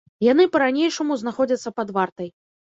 Яны па-ранейшаму знаходзяцца пад вартай.